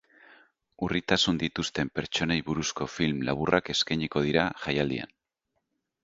Urritasunak dituzten pertsonei buruzko film laburrak eskainiko ditu jaialdiak.